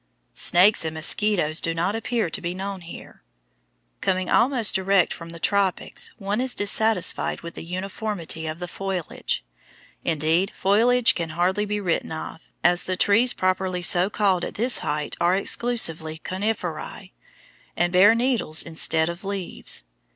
Snakes and mosquitoes do not appear to be known here. Coming almost direct from the tropics, one is dissatisfied with the uniformity of the foliage; indeed, foliage can hardly be written of, as the trees properly so called at this height are exclusively Coniferae, and bear needles instead of leaves.